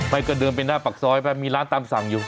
ก็เดินไปหน้าปากซอยไปมีร้านตามสั่งอยู่